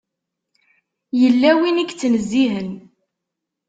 Yella win i yettnezzihen.